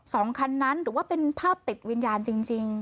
สองคันนั้นหรือว่าเป็นภาพติดวิญญาณจริงจริง